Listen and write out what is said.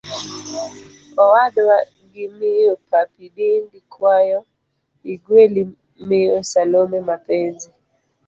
Owadwa.gi miyo Papi Dindi kwayo igweli miyo Salome Mapenzi